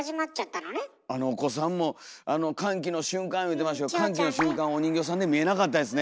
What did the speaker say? あのお子さんも歓喜の瞬間言うてましたけど歓喜の瞬間お人形さんで見えなかったですね。